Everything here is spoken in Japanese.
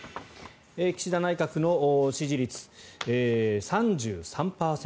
岸田内閣の支持率、３３％。